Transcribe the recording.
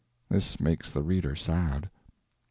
This makes the reader sad.)